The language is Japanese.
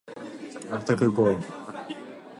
成田空港